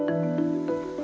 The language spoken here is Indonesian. dan ke kota krucil